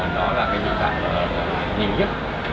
đó là những vấn đề nhìn nhất